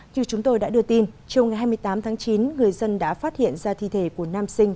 như chúng tôi đã đưa tin chiều ngày hai mươi tám tháng chín người dân đã phát hiện ra thi thể của nam sinh